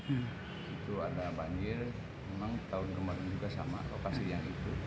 itu ada banjir memang tahun kemarin juga sama lokasi yang itu